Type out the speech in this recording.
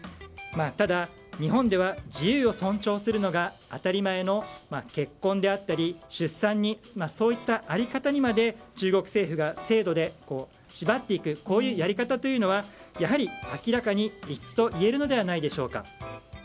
ただ、日本では自由を尊重するのが当たり前の結婚であったり出産などそういった在り方にまで中国政府が制度でしばっていくこういうやり方というのはやはり明らかに異質といえるのではないでしょうか。